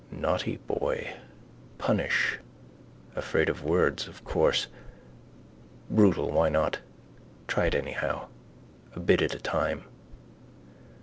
Naughty boy: punish: afraid of words, of course. Brutal, why not? Try it anyhow. A bit at a time.